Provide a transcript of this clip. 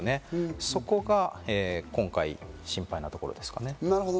そこが今回心配なところですかね。